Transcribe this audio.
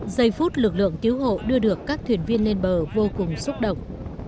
giây phút lực lượng cứu hộ đưa được các thuyền viên lên bờ vô cùng xúc động